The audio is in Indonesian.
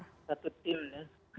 satu tim ya